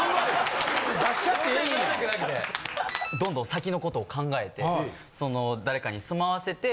どんどん先のことを考えてその誰かに住まわせて。